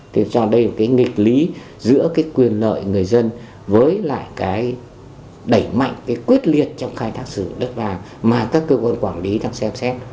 thì cho đây là cái nghịch lý giữa cái quyền lợi người dân với lại cái đẩy mạnh cái quyết liệt trong khai thác sự đất vàng mà các cơ quan quản lý đang xem xét